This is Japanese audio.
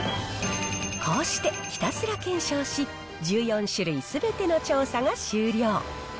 こうしてひたすら検証し、１４種類すべての調査が終了。